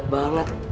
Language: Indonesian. terima kasih maap dua